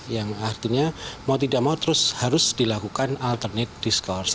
yang artinya mau tidak mau terus harus dilakukan alternate diskurs